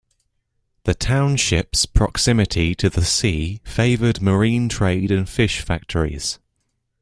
The township's proximity to the sea favoured marine trade and fish factories.